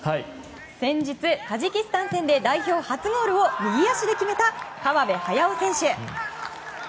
先日、タジキスタン戦で代表初ゴールを右足で決めた川辺駿選手。